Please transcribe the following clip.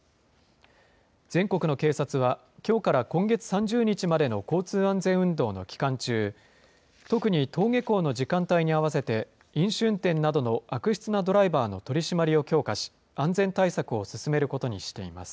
全国の警察は、きょうから今月３０日までの交通安全運動の期間中、特に登下校の時間帯に合わせて、飲酒運転などの悪質なドライバーの取締りを強化し、安全対策を進めることにしています。